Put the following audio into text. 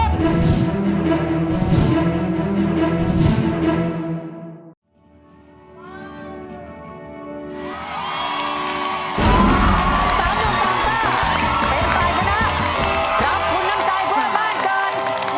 สามหนึ่งสามเจ้าเต็มใจคณะ